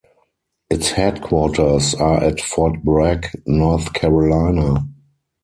Its headquarters are at Fort Bragg, North Carolina.